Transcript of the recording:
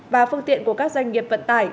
và phương tiện của các doanh nghiệp vận tải